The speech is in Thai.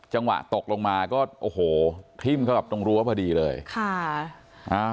จังหวะตกลงมาก็โอ้โหทิ้มเข้ากับตรงรั้วพอดีเลยค่ะอ่า